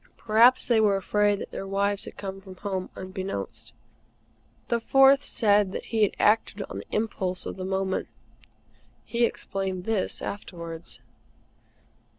Perhaps they were afraid that their wives had come from Home unbeknownst. The fourth said that he had acted on the impulse of the moment. He explained this afterwards.